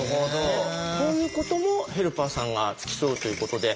こういうこともヘルパーさんが付き添うということで。